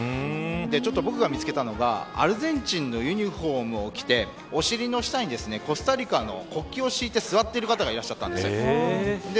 ちょっと、僕が見つけたのがアルゼンチンのユニホームを着てお尻の下にコスタリカの国旗を敷いて座っている方がいらっしゃったんです。